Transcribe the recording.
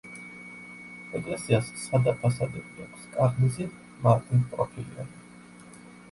ეკლესიას სადა ფასადები აქვს, კარნიზი მარტივპროფილიანია.